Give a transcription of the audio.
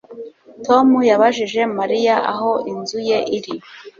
Tom yabajije Mariya aho inzu ye iri